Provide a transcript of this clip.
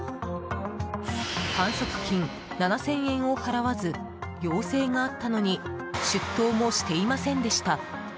反則金７０００円を払わず要請があったのに出頭もしていませんでした。